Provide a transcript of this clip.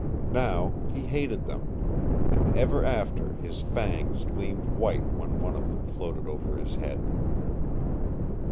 Now he hated them, and ever after his fangs gleamed white when one of them floated over his head.